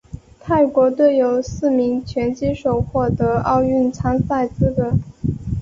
泰国队有四名拳击手获得奥运参赛资格。